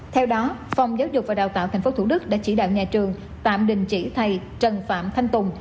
theo đó phòng giáo dục và đào tạo tp thủ đức đã chỉ đạo nhà trường tạm đình chỉ thầy trần phạm thanh tùng